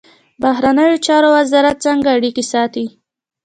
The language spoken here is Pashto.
بهرنیو چارو وزارت څنګه اړیکې ساتي؟